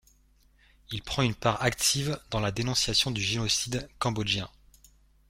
Il prend une part active dans la dénonciation du génocide cambodgien.